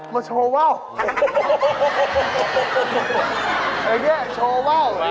ก็เลยมาโชว์ว่าว